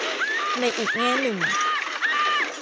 ในอีกแง่หนึ่ง